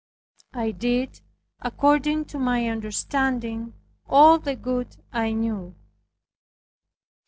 I did (according to my understanding) all the good I knew.